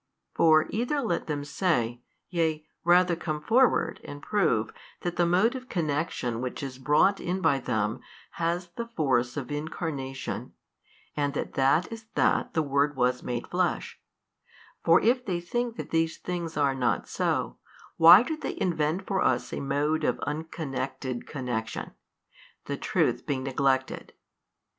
for either let them say, yea rather come forward and prove that the mode of connection which is brought in by |234 them has the force of incarnation and that that is that the Word was made flesh; or if they think that these things are not so, why do they invent for us a mode of unconnected connection, the truth being neglected?